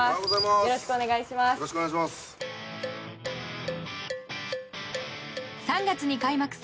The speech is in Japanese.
よろしくお願いします。